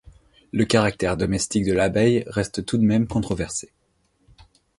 Le caractère domestique de l'abeille reste tout de même controversé.